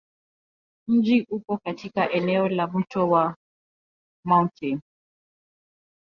Mji upo katika eneo la Mto wa Mt.